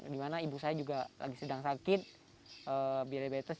di mana ibu saya juga sedang sakit biaya betes